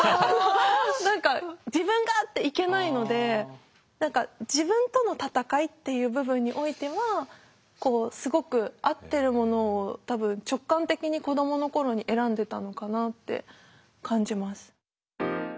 何か「自分が」っていけないので何か自分との戦いっていう部分においてはこうすごく合ってるものを多分直感的に子どもの頃に選んでたのかなって感じます。